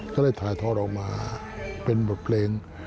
ก็เลยถ่ายทอดออกมาเป็นบทเพลง